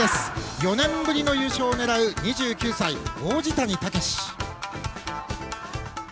４年ぶりの優勝を狙う２９歳、王子谷剛志。